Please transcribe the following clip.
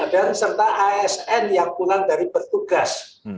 dan serta asn yang pulang dari bertugas